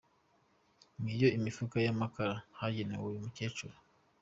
Ngiyo imifuka y'amakara bageneye uyu mukecuru.